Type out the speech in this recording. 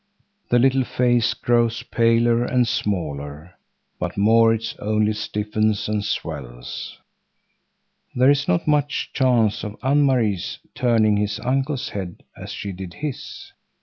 The little face grows paler and smaller, but Maurits only stiffens and swells. There is not much chance of Anne Marie's turning his uncle's head as she did his.